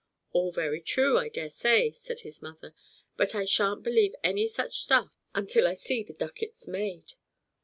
'" "All very true, I dare say," said his mother; "but I shan't believe any such stuff until I see the ducats made."